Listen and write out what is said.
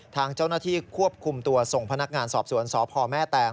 ทางเจ้าหน้าที่ควบคุมตัวส่งพนักงานสอบสวนสพแม่แตง